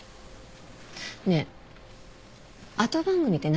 ねえ後番組って何やるの？